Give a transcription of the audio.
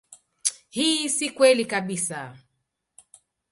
Hii si kweli kabisa.